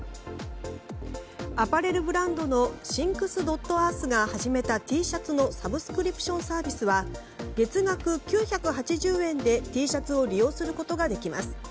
アパレルブランドのＳｙｎｃｓ．Ｅａｒｔｈが始めたＴシャツのサブスクリプションサービスは月額９８０円でＴシャツを利用することができます。